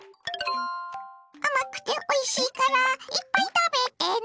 甘くておいしいからいっぱい食べてね！